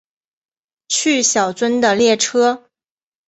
去小樽的列车